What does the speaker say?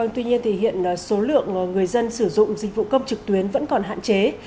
tuy nhiên thì hiện số lượng người dân sử dụng dịch vụ công trực tuyến vẫn còn hạn chế